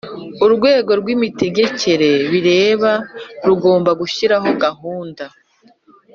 urwego rw imitegekere bireba rugomba gushyiraho gahunda